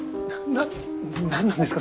な何なんですか？